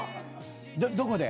どこで？